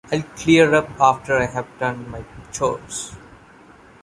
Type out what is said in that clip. I'll clear up after I've done my chores.